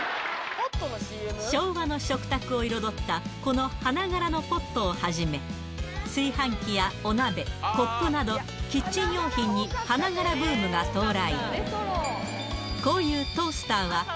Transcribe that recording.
昭和の食卓を彩ったこの花柄のポットをはじめ、炊飯器やお鍋、コップなど、キッチン用品に花柄ブームが到来。